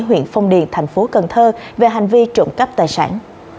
huyện phong điền thành phố cần thơ về hành vi trộm cắp tài sản